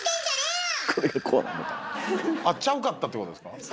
あっちゃうかったってことですか？